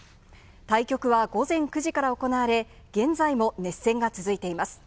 対局は午前９時から行われ、現在も熱戦が続いています。